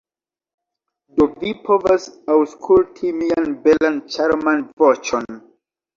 Do vi povas aŭskulti mian belan, ĉarman... voĉon.